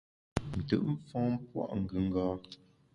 Ntùt mfon pua’ ngùnga.